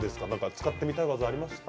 使ってみたい技ありますか？